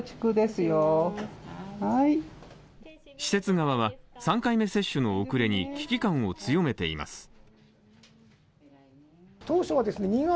施設側は３回目接種の遅れに危機感を強めています。